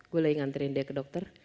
gue lagi nganterin dia ke dokter